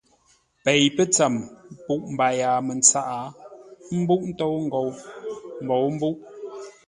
Pei pə́tsəm, púʼ mbaya mətsâʼ, mbúʼ ə ntôu ngou, mbǒu mbúʼ.